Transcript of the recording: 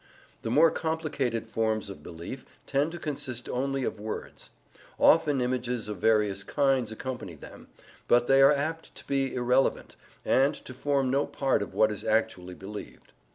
The more complicated forms of belief tend to consist only of words. Often images of various kinds accompany them, but they are apt to be irrelevant, and to form no part of what is actually believed.